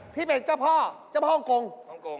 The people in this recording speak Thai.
พี่เป็นเจ้าพ่อผมวงกลวงกล